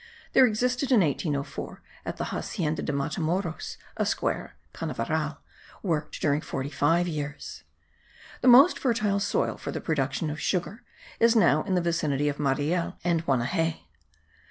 There existed in 1804, at the Hacienda de Matamoros, a square (canaveral) worked during forty five years. The most fertile soil for the production of sugar is now in the vicinity of Mariel and Guanajay.